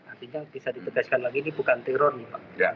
artinya bisa ditegaskan lagi ini bukan teror nih pak